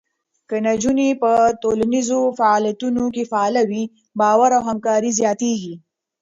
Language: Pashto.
که نجونې په ټولنیزو فعالیتونو کې فعاله وي، باور او همکاري زیاته کېږي.